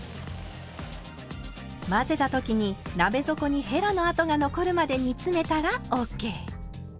混ぜた時に鍋底にへらの跡が残るまで煮詰めたらＯＫ。